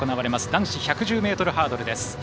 男子１１０ｍハードルです。